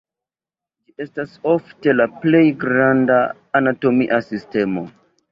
Ĝi estas ofte la plej granda anatomia sistemo.